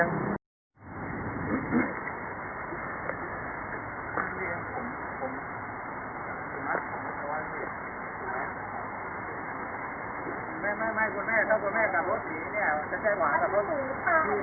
ขอบคุณที่ทำดีดีกับแม่ของฉันหน่อยครับ